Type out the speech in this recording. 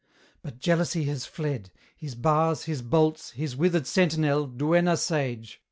But Jealousy has fled: his bars, his bolts, His withered sentinel, duenna sage!